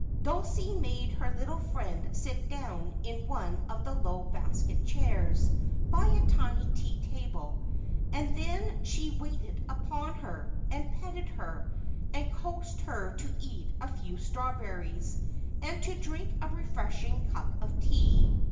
Dulcie made her little friend sit down in one of the low basket chairs, by a tiny tea table, and then she waited upon her, and petted her, and coaxed her to eat a few strawberries, and to drink a refreshing cup of tea.